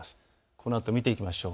このあと見ていきましょう。